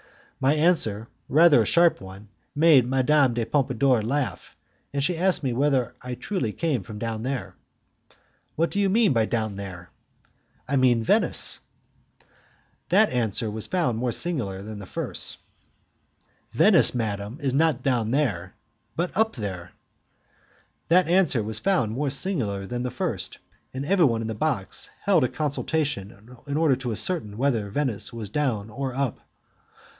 My answer, rather a sharp one, made Madame de Pompadour laugh, and she asked me whether I truly came from down there. "What do you mean by down there?" "I mean Venice." "Venice, madam, is not down there, but up there." That answer was found more singular than the first, and everybody in the box held a consultation in order to ascertain whether Venice was down or up.